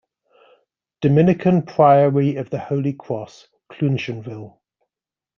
Dominican Priory of the Holy Cross, Cloonshanville.